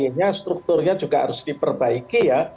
dan juga kondisi kulturnya juga harus diperbaiki ya